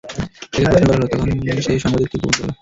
তাকে প্রশ্ন করা হল, তখন সে এ সংবাদটি গোপন করল।